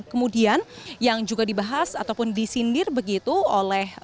kemudian yang juga dibahas ataupun disindir begitu oleh